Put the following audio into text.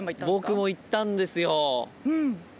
僕も行ったんですよ。